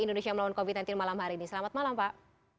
indonesia melawan covid sembilan belas malam hari ini selamat malam pak